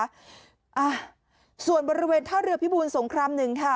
อ่าส่วนบริเวณท่าเรือพิบูรสงครามหนึ่งค่ะ